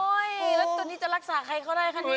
แล้วตัวนี้จะรักษาใครเขาได้คะเนี่ย